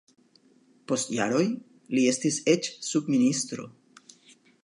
Post jaroj li estis eĉ subministro.